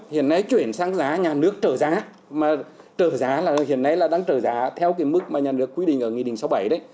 hiện nay chuyển sang giá nhà nước trợ giá mà trợ giá là hiện nay là đang trở giá theo cái mức mà nhà nước quy định ở nghị định sáu mươi bảy đấy